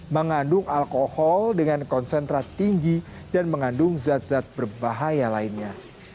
mengandung alkohol dengan konsentrat tinggi dan mengandung zat zat berbahaya lainnya